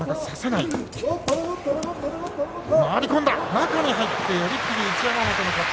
中に入って寄り切り一山本の勝ち。